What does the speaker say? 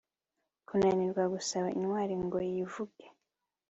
kunanirwa gusaba intwari ngo yivuge